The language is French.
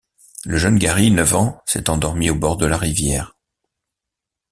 Le jeune Gary, neuf ans, s'est endormi au bord de la rivière.